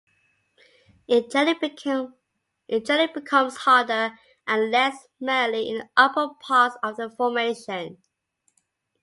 It generally becomes harder and less marly in the upper parts of the formation.